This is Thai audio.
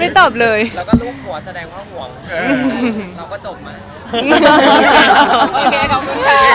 อ่าที่เวียดิ